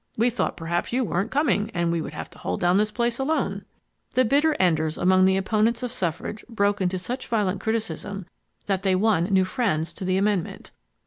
"We thought perhaps you weren't coming and we world have to hold down this place alone." The bitter enders among the opponents of suffrage broke into such violent criticism that they won new friends to the amendment.